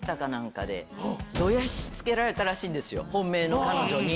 どやしつけられたらしい本命の彼女に。